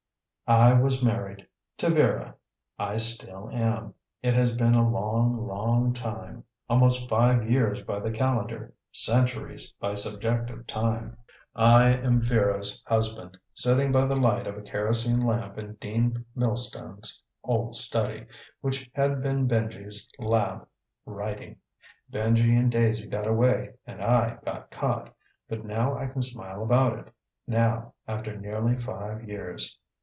I was married. To Vera. I still am. It has been a long, long time. Almost five years by the calendar, centuries by subjective time. I am Vera's husband, sitting by the light of a kerosene lamp in Dean Milston's old study, which had been Benji's lab, writing. Benji and Daisy got away and I got caught. But now I can smile about it. Now, after nearly five years.